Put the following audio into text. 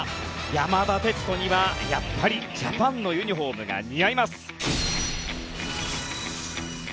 山田哲人にはやっぱりジャパンのユニホームが似合います。